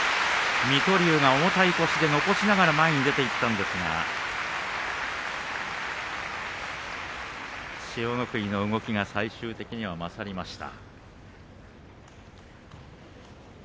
水戸龍が重たい腰で残しながら前に出ていったんですが千代の国の動きが最終的には勝りました。